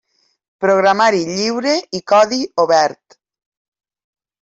Programari lliure i codi obert.